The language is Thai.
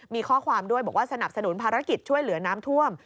มีข้อความด้วยบอกว่าสนับสนุนภารกิจช่วยเหลือน้ำท่วม